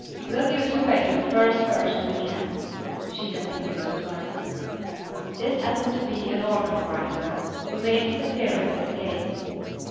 We'll give it away to the first person we can," she continued to Florence. This happened to be an organ grinder, who made his appearance at the gate.